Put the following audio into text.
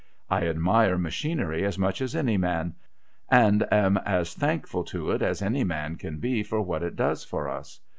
I admire machinery as much as any man, and am as thankful to it as any man can be for what it does for us.